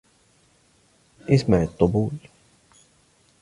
أسمع الطبول.